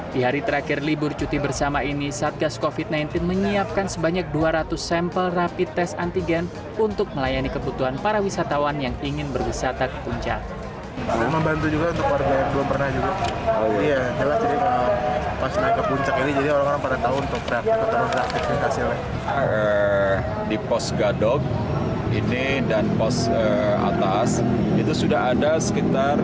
di hari terakhir libur cuti bersama ini satgas covid sembilan belas menyiapkan sebanyak dua ratus sampel rapid tes antigen untuk melayani kebutuhan para wisatawan yang ingin berwisata ke puncak